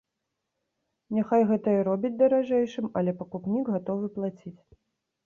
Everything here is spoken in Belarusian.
Няхай гэта і робіць даражэйшым, але пакупнік гатовы плаціць.